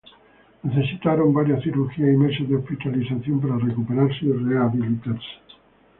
Necesitaron varias cirugías y meses de hospitalización para recuperarse y rehabilitarse.